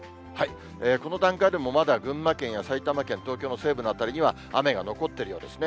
この段階でも、まだ群馬県や埼玉県、東京の西部の辺りには雨が残っているようですね。